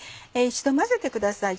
一度混ぜてください